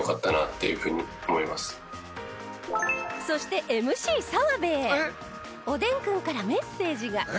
そしてＭＣ澤部へおでんくんからメッセージが。